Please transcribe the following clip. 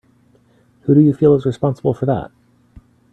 Who do you feel is responsible for that?